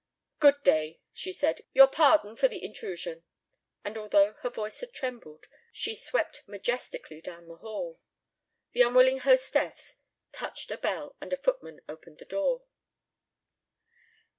"Good day," she said. "Your pardon for the intrusion," and although her voice had trembled, she swept majestically down the hall. The unwilling hostess touched a bell and a footman opened the door.